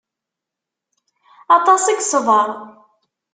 Aṭas i yeṣber.